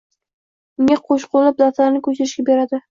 Unga qo‘shqo‘llab daftarini ko‘chirishga beradi.